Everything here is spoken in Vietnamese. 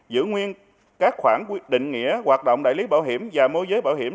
hai giữ nguyên các khoản định nghĩa hoạt động đại lý bảo hiểm và mô giới bảo hiểm